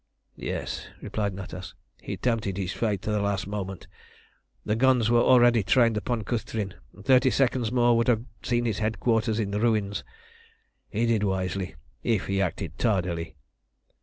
"Yes," replied Natas. "He tempted his fate to the last moment. The guns were already trained upon Cüstrin, and thirty seconds more would have seen his headquarters in ruins. He did wisely, if he acted tardily."